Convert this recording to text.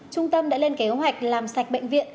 trung tâm đã lên kế hoạch làm sạch bệnh viện